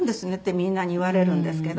みんなに言われるんですけど。